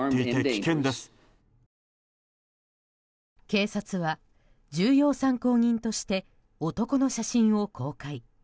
警察は重要参考人として男の写真を公開。